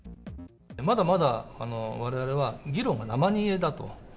まだまだわれわれは議論が生煮えだと。